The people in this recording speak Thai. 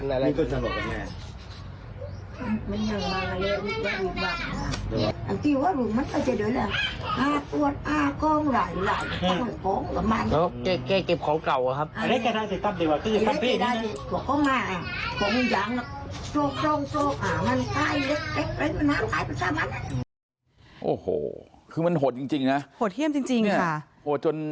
อ้าวโอ้โหคือมันหดจริงจริงนะหดเที่ยมจริงจริงค่ะ